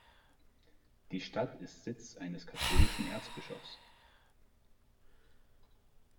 Die Stadt ist Sitz eines katholischen Erzbischofs.